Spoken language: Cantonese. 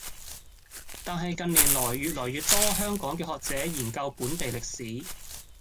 但係近年來越來越多香港嘅學者研究本地歷史